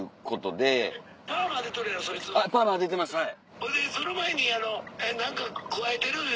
ほいでその前に。